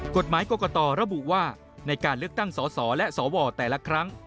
กฎหมายกรกตระบุว่าในการเลือกตั้งสสและสวแต่ละครั้ง